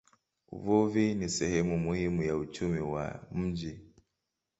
Uvuvi ni sehemu muhimu ya uchumi wa mji.